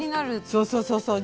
そうそうそうそう。